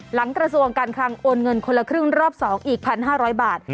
กระทรวงการคลังโอนเงินคนละครึ่งรอบ๒อีก๑๕๐๐บาท